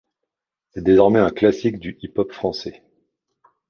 C'est désormais un classique du hip-hop français.